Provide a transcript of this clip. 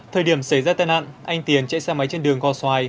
thời điểm xảy ra tai nạn anh tiền chạy xe máy trên đường gò xoài